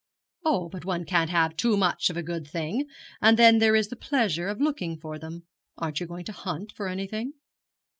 'Oh, but one can't have too much of a good thing; and then there is the pleasure of looking for them. Aren't you going to hunt for anything?'